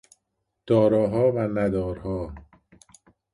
داراها و ندارها